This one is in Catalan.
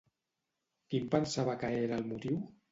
Quin pensava que era el motiu?